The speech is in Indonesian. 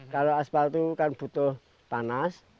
kalau aspal itu kan butuh panas